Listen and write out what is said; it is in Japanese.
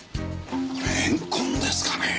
これ怨恨ですかねえ？